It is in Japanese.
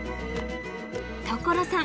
所さん